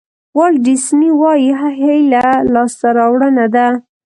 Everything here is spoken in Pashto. والټ ډیسني وایي هیله لاسته راوړنه ده.